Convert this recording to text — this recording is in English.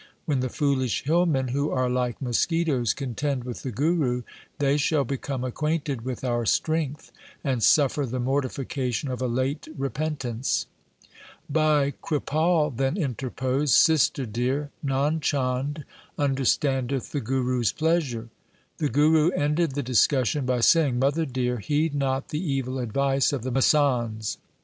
When the foolish hillmen who are like mosquitoes contend THE SIKH RELIGION with the Guru, they shall become acquainted with our strength and suffer the mortification of a late repentance.' Bhai Kripal then interposed :' Sister dear, Nand Chand understandeth the Guru's plea sure.' The Guru ended the discussion by saying, 'Mother dear, heed not the evil advice of the masands.